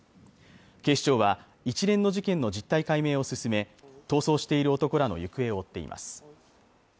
警視庁は一連の事件の実態解明を進め逃走している男らの行方を追っています